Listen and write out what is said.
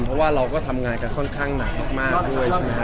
เพราะว่าเราก็ทำงานกันค่อนข้างหนักมากด้วยใช่ไหมฮ